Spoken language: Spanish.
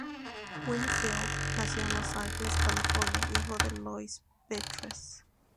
Winfield nació en Los Ángeles, California, hijo de Lois Beatrice.